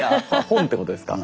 本ってことですか？